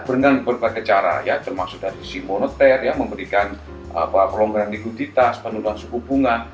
dengan berbagai cara ya termasuk dari simoneter ya memberikan pelonggaran liku di tas penurunan suku bunga